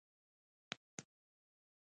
جګړه ونښته چې فرانسې مستعمره له لاسه ورکړه.